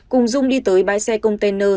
cùng dung đi tới bãi xe container